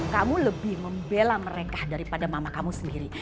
kamu lebih membela mereka daripada mama kamu sendiri